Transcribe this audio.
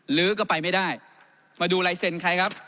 หรือก็ไปไม่ได้มาดูลายเซ็นต์ใครครับ